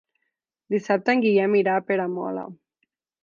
Dissabte en Guillem irà a Peramola.